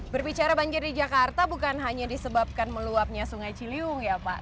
berbicara banjir di jakarta bukan hanya disebabkan meluapnya sungai ciliwung ya pak